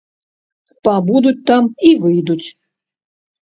Пабудуць там і выйдуць!